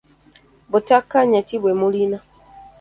Butakkaanya ki bwe mulina?